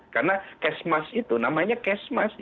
karena kesmas itu namanya kesmas